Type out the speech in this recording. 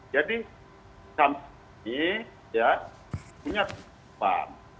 jadi kami punya kesempatan